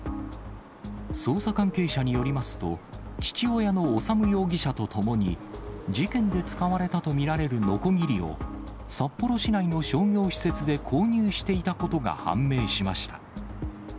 捜査関係者によりますと、父親の修容疑者と共に、事件で使われたとみられるのこぎりを札幌市内の商業施設で購入していたことが判明しました。